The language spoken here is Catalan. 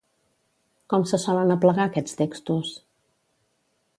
Com se solen aplegar aquests textos?